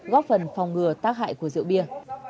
góp phần phòng ngừa tác hại của rượu bia